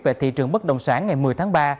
về thị trường bất động sản ngày một mươi tháng ba